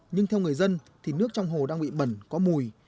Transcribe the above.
nhưng theo người dân thì nước trong hồ đang bị bẩn có mùi